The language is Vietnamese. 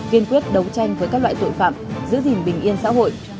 kiên quyết đấu tranh với các loại tội phạm giữ gìn bình yên xã hội